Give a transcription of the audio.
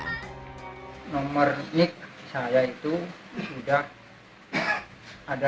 nomor nyik saya itu sudah ada